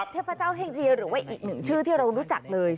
เทพเจ้าแห่งเจียหรือว่าอีกหนึ่งชื่อที่เรารู้จักเลย